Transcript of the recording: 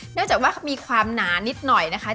จากว่ามีความหนานิดหน่อยนะคะ